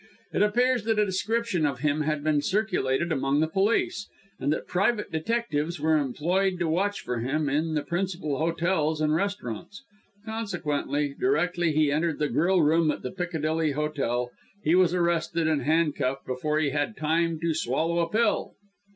It appears that a description of him had been circulated among the police, and that private detectives were employed to watch for him in the principal hotels and restaurants. Consequently, directly he entered the grill room at the Piccadilly Hotel, he was arrested and handcuffed before he had time to swallow a pill.